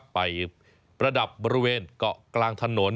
ประดับบริเวณเกาะกลางถนน